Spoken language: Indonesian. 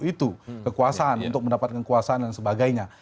itu kekuasaan untuk mendapatkan kekuasaan dan sebagainya